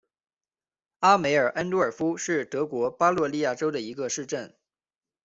阿梅尔恩多尔夫是德国巴伐利亚州的一个市镇。